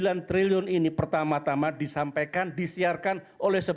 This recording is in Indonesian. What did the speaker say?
dia memberikan jaya padatan c journey life media acara indonesia